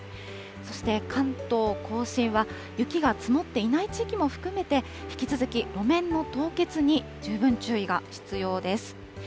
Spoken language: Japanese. そして、関東甲信は雪が積もっていない地域も含めて、引き続き路面の凍結に十分注意が必要です。